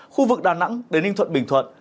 khu vực đà nẵng đến ninh thuận bình thuận